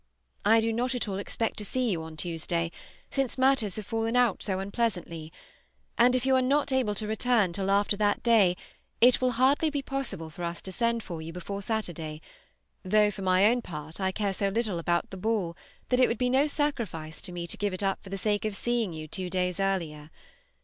I do not at all expect to see you on Tuesday, since matters have fallen out so unpleasantly; and if you are not able to return till after that day, it will hardly be possible for us to send for you before Saturday, though for my own part I care so little about the ball that it would be no sacrifice to me to give it up for the sake of seeing you two days earlier.